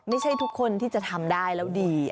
ไม่ใช่ทุกคนที่จะทำได้แล้วดี